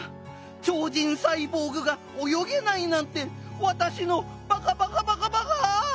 超人サイボーグが泳げないなんてわたしのバカバカバカバカ！